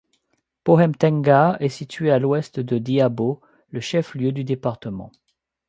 Pohemtenga est situé à à l'Ouest de Diabo, le chef-lieu du département.